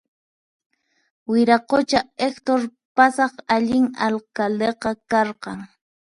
Wiraqucha Hector pasaq allin alcaldeqa karqan